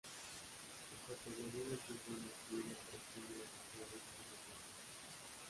Su categoría en el fútbol masculina corresponde a la Tercera División de España.